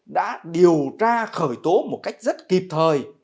đã điều tra khởi tố một cách rất kịp thời